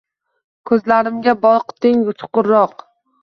Koʼzlarimga botding chuqurroq.